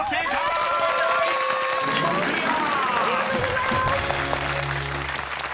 ありがとうございます！